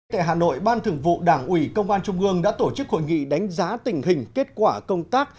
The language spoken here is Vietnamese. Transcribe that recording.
tại hà nội ban thường vụ đảng ủy công an trung ương đã tổ chức hội nghị đánh giá tình hình kết quả công tác